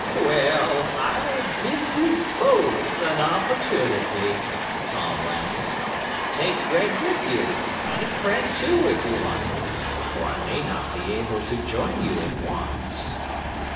"Well, I'll give you both an opportunity," Tom laughed. "Take Greg with you, and a friend too, if you like, for I may not be able to join you at once."